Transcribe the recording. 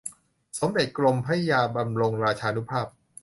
สมเด็จกรมพระยาดำรงราชานุภาพ